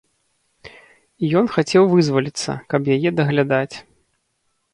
І ён хацеў вызваліцца, каб яе даглядаць.